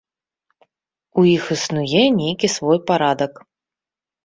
У іх існуе нейкі свой парадак.